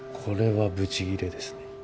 これはぶちギレですね。